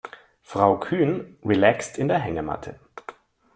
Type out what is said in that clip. Frau Kühn relaxt in der Hängematte.